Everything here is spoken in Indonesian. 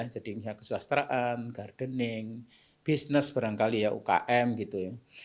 jadi keselastraan gardening bisnis barangkali ya ukm gitu